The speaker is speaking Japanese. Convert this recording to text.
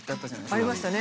ありましたね。